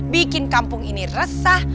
bikin kampung ini resah